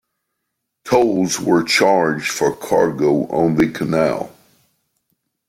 Tolls were charged for cargo on the canal.